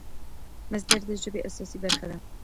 مصدر د ژبي اساسي برخه ده.